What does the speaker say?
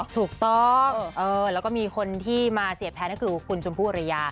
ถูกต้องแล้วก็มีคนที่มาเสียแทนก็คือคุณชมพู่อริยา